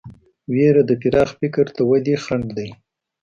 وېره د پراخ فکر د ودې خنډ دی.